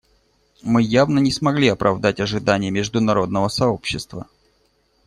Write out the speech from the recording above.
Мы явно не смогли оправдать ожиданий международного сообщества.